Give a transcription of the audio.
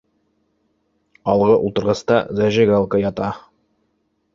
Алғы ултырғыста зажигалка ята